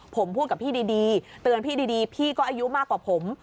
ผมพูดกับพี่ดีเตือนพี่ดีพี่ก็อายุมากกว่าผม